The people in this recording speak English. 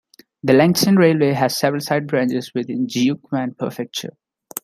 The Lanxin Railway has several side branches within Jiuquan Prefecture.